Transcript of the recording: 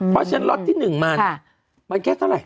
เพราะฉะนั้นล็อตที่๑มันมันแค่เท่าไหร่